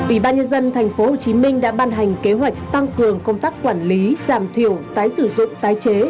ủy ban nhân dân tp hcm đã ban hành kế hoạch tăng cường công tác quản lý giảm thiểu tái sử dụng tái chế